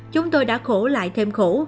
chúng tôi đã khổ lại thêm khổ